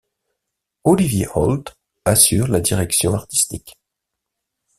Olivier Holt assure la direction artistique.